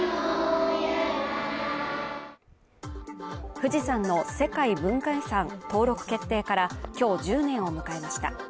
富士山の世界文化遺産登録決定から今日１０年を迎えました。